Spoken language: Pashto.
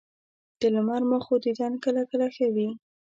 د لمر مخو دیدن کله کله ښه وي